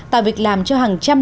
tạo việc làm cho hàng trăm